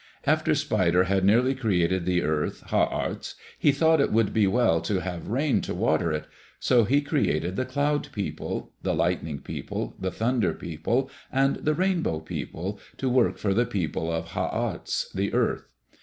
After Spider had nearly created the earth, Ha arts, he thought it would be well to have rain to water it, so he created the Cloud People, the Lightning People, the Thunder People, and the Rainbow People, to work for the people of Ha arts, the earth.